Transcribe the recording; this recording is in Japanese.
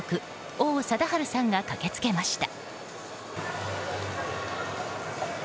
王貞治さんが駆けつけました。